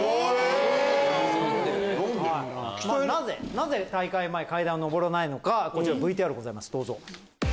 なぜ大会前階段を上らないのかＶＴＲございますどうぞ。